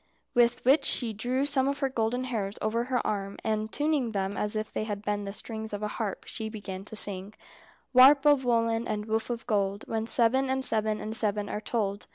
With which she drew some of her golden hairs over her arm, and tuning them as if they had been the strings of a harp, she began to sing: "Warp of woollen and woof of gold: When seven and seven and seven are told."